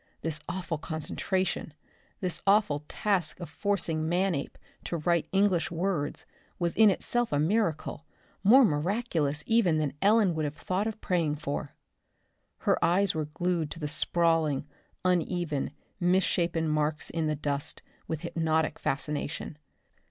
This awful concentration, this awful task of forcing Manape to write English words was in itself a miracle, more miraculous even than Ellen would have thought of praying for. Her eyes were glued to the sprawling, uneven, misshapen marks in the dust with hypnotic fascination.